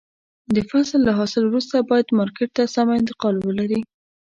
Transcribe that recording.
د فصل له حاصل وروسته باید مارکېټ ته سمه انتقال ولري.